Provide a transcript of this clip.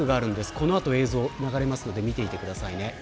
この後、映像流れますので見ていてください。